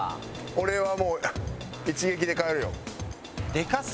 俺はもう一撃で帰るよ。